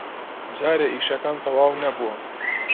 جارێ ئیشەکەم تەواو نەبووە.